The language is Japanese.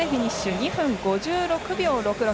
２分５６秒６６。